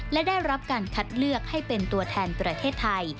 และได้รับการคัดเลือกให้เป็นตัวแทนประเทศไทย